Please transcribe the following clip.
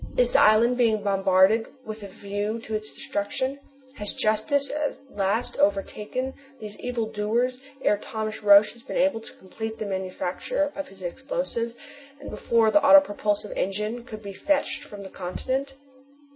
Is the island being bombarded with a view to its destruction? Has justice at last overtaken these evil doers ere Thomas Roch has been able to complete the manufacture of his explosive, and before the autopropulsive engine could be fetched from the continent?"